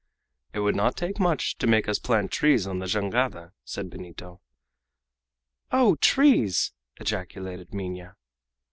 "It would not take much to make us plant trees on the jangada," said Benito. "Oh, trees!" ejaculated Minha.